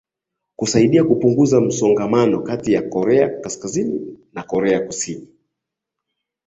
kusaidia kupunguza msuguano kati ya korea kaskazini na korea kusini